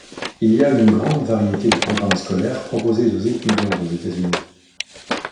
Il y a une grande variété de programmes scolaires proposés aux étudiants aux États-Unis.